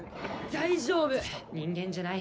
大丈夫、人間じゃない。